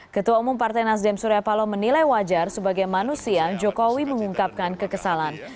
ketua umum partai nasdem surya paloh menilai wajar sebagai manusia jokowi mengungkapkan kekesalan